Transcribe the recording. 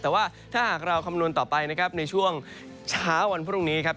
แต่ว่าถ้าหากเราคำนวณต่อไปนะครับในช่วงเช้าวันพรุ่งนี้ครับ